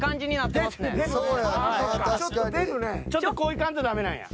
ちょっとこういかんとダメなんや。